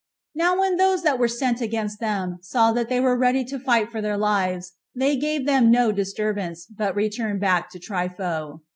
Now when those that were sent against them saw that they were ready to fight for their lives, they gave them no disturbance, but returned back to Trypho.